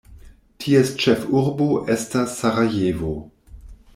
Ties ĉefurbo estas Sarajevo.